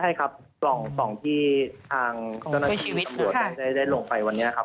ใช่ครับปล่องปล่องที่ทางของชีวิตได้ได้ลงไปวันนี้ครับ